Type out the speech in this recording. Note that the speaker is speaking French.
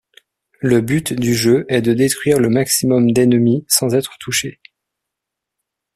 Le but du jeu est de détruire le maximum d'ennemis sans être touché.